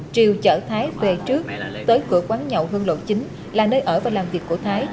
triều chở thái về trước tới cửa quán nhậu hương lộ chính là nơi ở và làm việc của thái